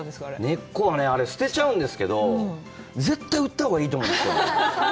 根っこはね、あれ、捨てちゃうんですけど、絶対売ったほうがいいと思うんですよ！